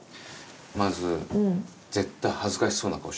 まず絶対恥ずかしそうな顔しちゃダメ。